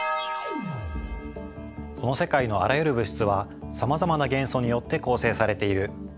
この世界のあらゆる物質はさまざまな元素によって構成されている。